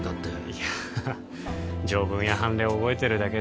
いや条文や判例覚えてるだけで